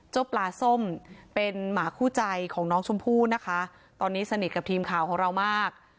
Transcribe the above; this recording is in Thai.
ปลาส้มเป็นหมาคู่ใจของน้องชมพู่นะคะตอนนี้สนิทกับทีมข่าวของเรามาก